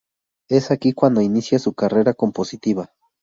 Es aquí cuando inicia su carrera compositiva.